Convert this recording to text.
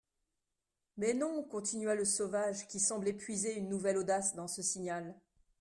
Mais non ! continua le sauvage, qui semblait puiser une nouvelle audace dans ce signal.